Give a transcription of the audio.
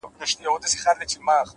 پرمختګ له داخلي بدلون شروع کېږي؛